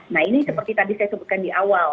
nah ini seperti tadi saya sebutkan di awal